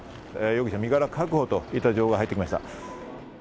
容疑者、身柄確保という情報入ってきました。